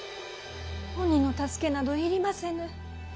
鬼の助けなど要りませぬ。